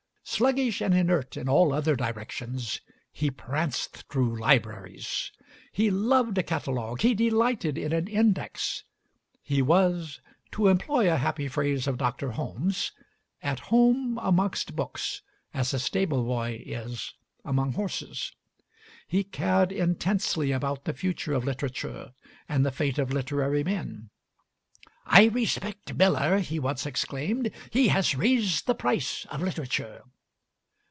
Sluggish and inert in all other directions, he pranced through libraries. He loved a catalogue; he delighted in an index. He was, to employ a happy phrase of Dr. Holmes, at home amongst books as a stable boy is amongst horses. He cared intensely about the future of literature and the fate of literary men. "I respect Millar," he once exclaimed; "he has raised the price of literature."